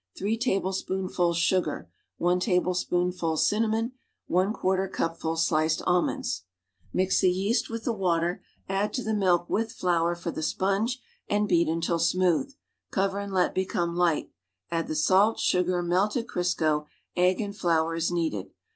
i tablespoonfuls sugar 1 tablespoonful cinnamon ,'4 cupful sliced almonds Mix the yeast with the water; add to the milk with flour for the sponge and beat until smooth; cover and let become liglit; add the salt, sugar, melted Crisco, egg and flour as needed.